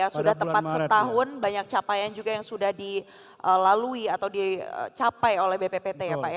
sudah tepat setahun banyak capaian juga yang sudah dilalui atau dicapai oleh bppt ya pak ya